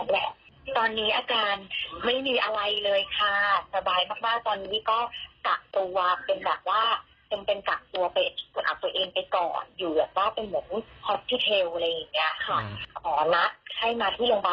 แล้วก็เจาะเลือดแล้วก็เอ็กซาเลต่อนค่ะ